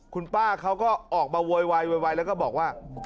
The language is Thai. คุณป้าเขาก็ออกมาโวยวายโวยวายแล้วก็บอกว่า